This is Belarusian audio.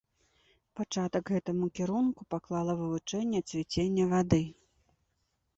Пачатак гэтаму кірунку паклала вывучэнне цвіцення вады.